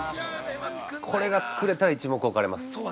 ◆これが作れたら一目置かれます。